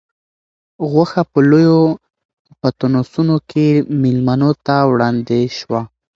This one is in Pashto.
غوښه په لویو پتنوسونو کې مېلمنو ته وړاندې شوه.